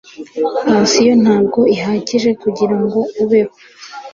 pansiyo ntabwo ihagije kugirango ubeho